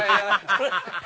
ハハハハ！